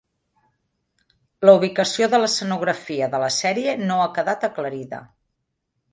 La ubicació de l'escenografia de la sèrie no ha quedat aclarida.